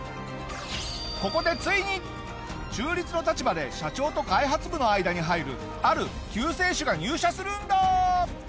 ここでついに中立の立場で社長と開発部の間に入るある救世主が入社するんだ！